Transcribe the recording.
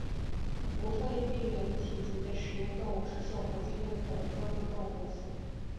无特定病原体级的实验动物是受国际认可的标准动物模型。